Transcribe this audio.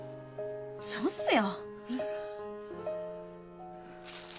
そうっすよ！